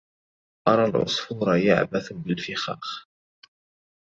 أرى العصفور يعبث بالفخاخ